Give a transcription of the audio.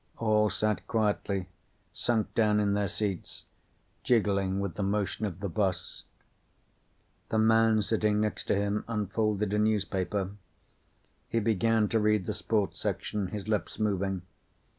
All sat quietly, sunk down in their seats, jiggling with the motion of the bus. The man sitting next to him unfolded a newspaper. He began to read the sports section, his lips moving.